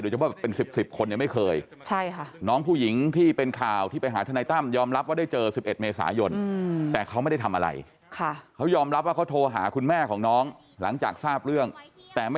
โดยเฉพาะเป็น๑๐คนยังไม่เคย